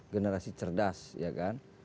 generasi cerdas ya kan